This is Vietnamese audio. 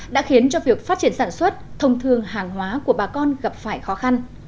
đã khiến cho việc phát triển sản xuất thông thường hàng hóa của bà con gặp phải khó khăn